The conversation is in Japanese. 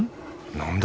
何だ？